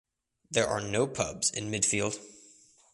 There are no pubs in Midfield.